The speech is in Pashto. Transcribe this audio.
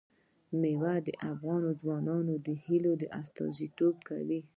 مېوې د افغان ځوانانو د هیلو استازیتوب کوي.